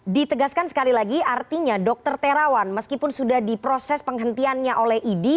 ditegaskan sekali lagi artinya dr terawan meskipun sudah diproses penghentiannya oleh idi